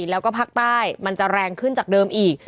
แล้วก็ภาคใต้มันจะแรงขึ้นจากเดิมอีก